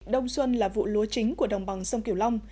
đông xuân là vụ lúa chính của đồng bằng sông kiều long